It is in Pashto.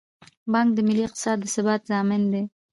بانک د ملي اقتصاد د ثبات ضامن دی.